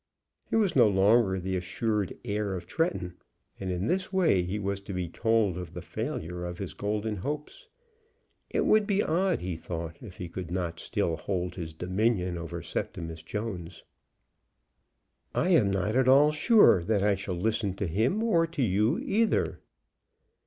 He was no longer the assured heir of Tretton, and in this way he was to be told of the failure of his golden hopes. It would be odd, he thought, if he could not still hold his dominion over Septimus Jones. "I am not at all sure that I shall listen to him or to you either."